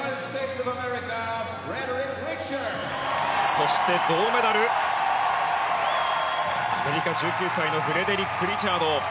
そして銅メダルアメリカ１９歳のフレデリック・リチャード。